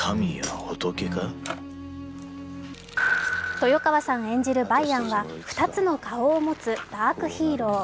豊川さん演じる梅安は２つの顔を持つダークヒーロー。